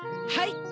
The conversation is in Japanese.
はい！